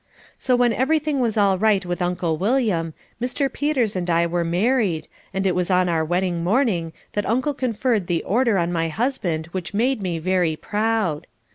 So when everything was all right with Uncle William, Mr. Peters and I were married and it was on our wedding morning that Uncle conferred the Order on my husband which made me very proud.